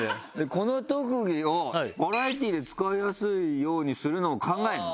この特技をバラエティで使いやすいようにするのを考えるの？